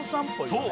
そう！